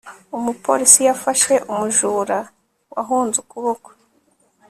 umupolisi yafashe umujura wahunze ukuboko